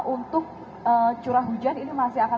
untuk curah hujan ini masih akan